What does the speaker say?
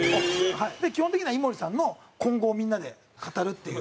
基本的には井森さんの今後をみんなで語るっていう。